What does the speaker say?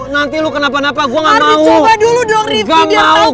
nanti lu kenapa kenapa gue nggak mau